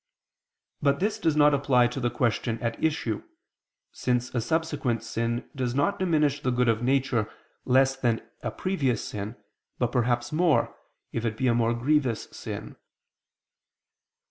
But this does not apply to the question at issue, since a subsequent sin does not diminish the good of nature less than a previous sin, but perhaps more, if it be a more grievous sin.